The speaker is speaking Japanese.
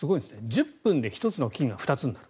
１０分で１つの菌が２つになる。